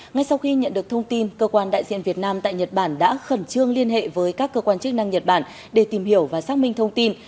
ngay sau khi nhận được thông tin cơ quan đại diện việt nam tại nhật bản đã khẩn trương liên hệ với các cơ quan chức năng nhật bản để tìm hiểu và xác minh thông tin